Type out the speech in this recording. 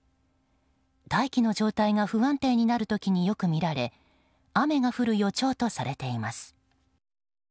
大気の状態が不安定になる時によく見られ雨が降る予兆とされています。